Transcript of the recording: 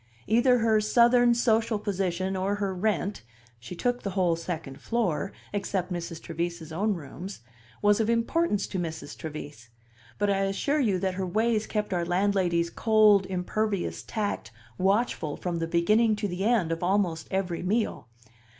Either her Southern social position or her rent (she took the whole second floor, except Mrs. Trevise's own rooms) was of importance to Mrs. Trevise; but I assure you that her ways kept our landlady's cold, impervious tact watchful from the beginning to the end of almost every meal.